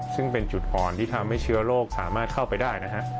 ซึ่งเป็นจุดอ่อนที่ทำให้เชื้อโรคสามารถเข้าไปได้นะฮะ